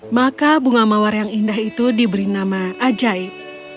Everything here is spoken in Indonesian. maka bunga mawar yang indah itu diberi nama ajaib